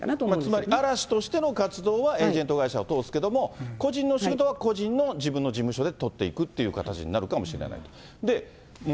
つまり嵐としての活動はエージェント会社を通すけれども、個人の仕事は個人の自分の事務所で取っていくという形になるかもしれない。